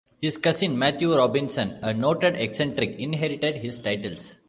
His cousin Matthew Robinson, a noted eccentric, inherited his titles.